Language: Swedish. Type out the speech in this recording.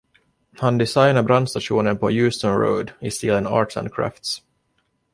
Han designade brandstationen på Euston Road i stilen "Arts and Crafts".